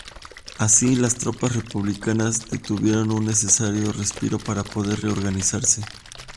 Así, las tropas republicanas obtuvieron un necesario respiro para poder reorganizarse.